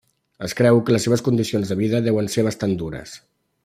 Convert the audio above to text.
Es creu que les seves condicions de vida deuen ser bastant dures.